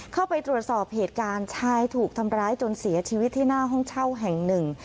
เข้าไปตรวจสอบเหตุการณ์ชายถูกทำร้ายจนเสียชีวิตที่หน้าห้องเช่าแห่งหนึ่ง